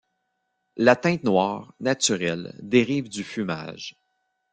La teinte noire, naturelle, dérive du fumage.